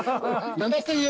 ７０００円！